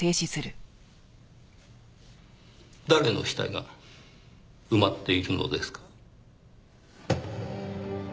誰の死体が埋まっているのですか？